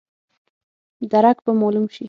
درک به مالوم شي.